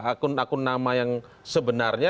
akun akun nama yang sebenarnya